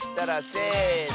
せの。